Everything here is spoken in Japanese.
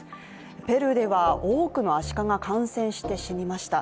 ペルーでは多くのアシカが感染して死にました。